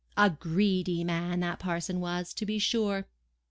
A greedy man, that parson was, to be sure!